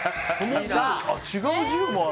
違う銃もある。